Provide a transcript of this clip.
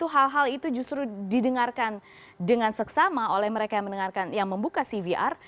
hal hal itu justru didengarkan dengan seksama oleh mereka yang membuka cvr